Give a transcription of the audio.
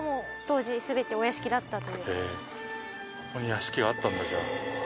ここに屋敷があったんだじゃあ。